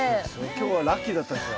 今日はラッキーだったですよ。